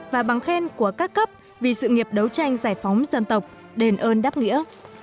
và bằng khen của các cấp vì sự nghiệp đấu tranh giải phóng dân tộc đền ơn đáp nghĩa